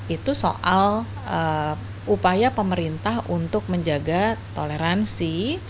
itu soal upaya pemerintah untuk menjaga toleransi